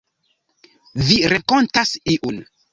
Vi renkontas iun.